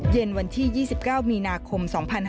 เย็นวันที่๒๙มีนาคม๒๕๕๙